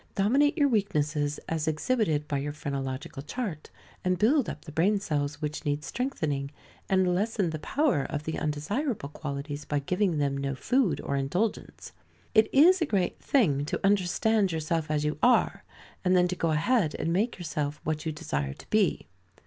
Dominate your weaknesses as exhibited by your phrenological chart, and build up the brain cells which need strengthening, and lessen the power of the undesirable qualities by giving them no food or indulgence. It is a great thing to understand yourself as you are, and then to go ahead and make yourself what you desire to be.